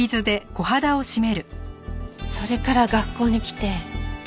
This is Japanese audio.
それから学校に来て。